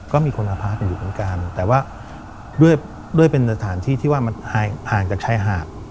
ก็มีคนมาพักอยู่ตรงกลางแต่ว่าด้วยด้วยเป็นสถานที่ที่ว่ามันห่างจากชายหาด